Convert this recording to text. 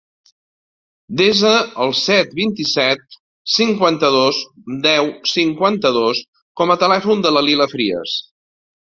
Desa el set, vint-i-set, cinquanta-dos, deu, cinquanta-dos com a telèfon de la Lila Frias.